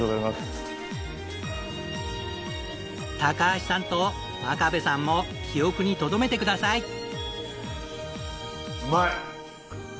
高橋さんと真壁さんも記憶にとどめてください。